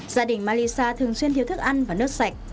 gia đình malisa thường xuyên thiếu thức ăn và nước sạch